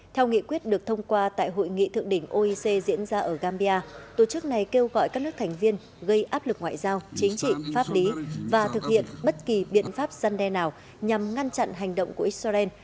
theo nghị quyết được thông qua tại hội nghị thượng đỉnh oec diễn ra ở gambia tổ chức này kêu gọi các nước thành viên gây áp lực ngoại giao chính trị pháp lý và thực hiện bất kỳ biện pháp dân đe nào nhằm ngăn chặn hành động của israel